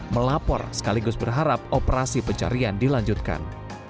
melapor sekaligus berharap operasi pencarian dilanjutkan